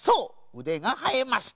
うでがはえました。